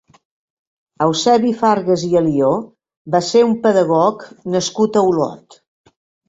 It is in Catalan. Eusebi Fargas i Alió va ser un pedagog nascut a Olot.